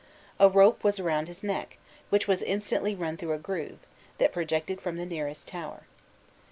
A rope was round his neck, which was instantly run through a groove, that projected from the nearest tower.